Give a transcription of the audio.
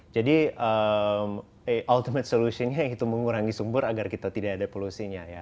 jadi ultimate solution nya itu mengurangi sumber agar kita tidak ada polusinya ya